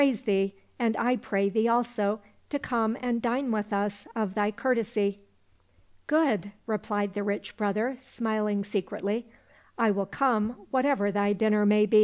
— The poor man said, " My wife prays thee, and I pray thee also, to come and dine with us of thy courtesy." —" Good !" replied the rich brother, smiling secretly. " I will come whatever thy dinner may be."